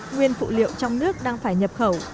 nguyên phụ liệu trong nước đang phải nhập khẩu